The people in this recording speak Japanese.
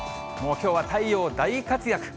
もうきょうは太陽、大活躍。